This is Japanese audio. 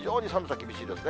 厳しいですね。